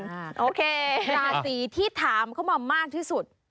โอเคราศีที่ถามเข้ามามากที่สุด